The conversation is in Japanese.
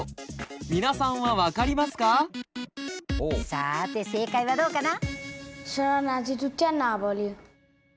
さて正解はどうかな？